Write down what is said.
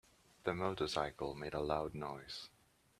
The motorcycle made loud noise.